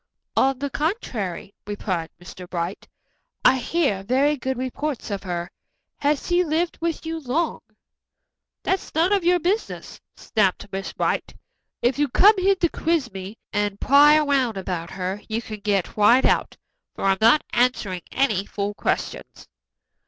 "On the contrary," replied Mr. Bright, "I hear very good reports of her. Has she lived with you long?" "That's none of your business," snapped Miss Brant. "If you've come here to quiz me and pry around about her, you can get right out, for I'm not answering any fool questions."